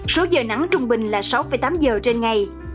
số giờ nắng trung bình là sáu tám giờ trên ngày